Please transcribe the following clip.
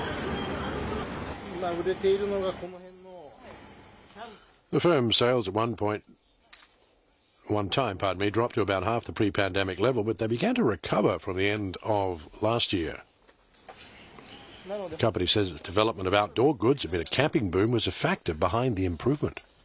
今売れているのがこの辺の、キャンプの。